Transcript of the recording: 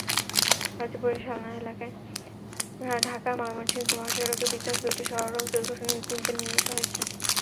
গাজীপুরের সালনা এলাকায় ঢাকা-ময়মনসিংহ মহাসড়কে পৃথক দুটি সড়ক দুর্ঘটনায় তিনজন নিহত হয়েছেন।